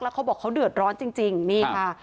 เขาบอกเขาเดือดร้อนจริงนี่ค่ะ